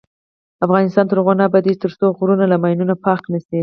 افغانستان تر هغو نه ابادیږي، ترڅو غرونه له ماینونو پاک نشي.